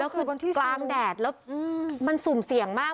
แล้วคือกลางแดดแล้วมันสุ่มเสี่ยงมาก